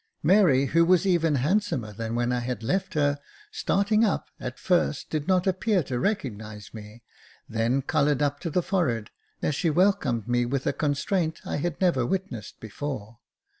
Mary, who was even handsomer than when I had left her, starting up, at first did not appear to recognise me, then coloured up to the forehead, as she welcomed me with a constraint I had never witnessed before.